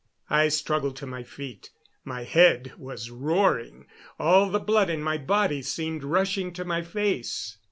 I struggled to my feet. My head was roaring. All the blood in my body seemed rushing to my face.